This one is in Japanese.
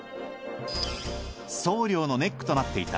送料のネックとなっていた